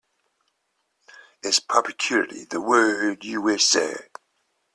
Is 'propinquity' the word you wish, sir?